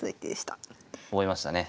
覚えましたね。